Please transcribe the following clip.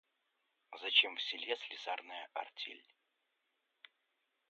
Зачем в селе слесарная артель?